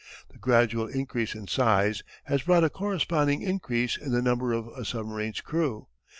The gradual increase in size has brought a corresponding increase in the number of a submarine's crew.